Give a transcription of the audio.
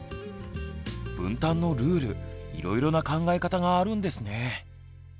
分担のルールいろいろな考え方があるんですね。